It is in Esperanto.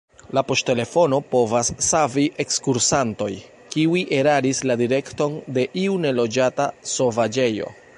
La poŝtelefono povas savi ekskursantojn, kiuj eraris la direkton en iu neloĝata sovaĝejo.